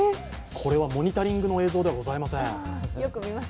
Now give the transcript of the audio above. これは「モニタリング」の映像ではございません。